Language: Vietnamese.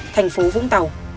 thành phố vũng tàu